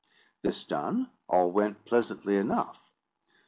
This done, all went pleasantly enough.